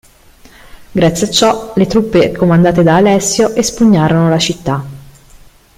Grazie a ciò, le truppe comandate da Alessio, espugnarono la città.